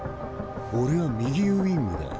俺は右ウイングだ。